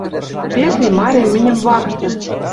Перви марем мӹньӹм вакты